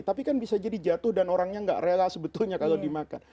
tapi kan bisa jadi jatuh dan orangnya nggak rela sebetulnya kalau dimakan